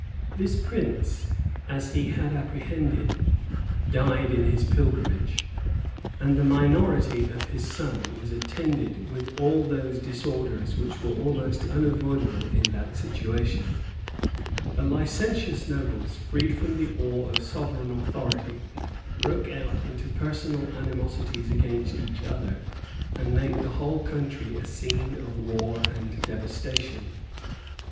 452.] This prince, as he had apprehended, died in his pilgrimage; and the minority of his son was attended with all those disorders which were almost unavoidable in that situation. The licentious nobles, freed from the awe of sovereign authority, broke out into personal animosities against each other, and made the whole country a scene of war and devastation.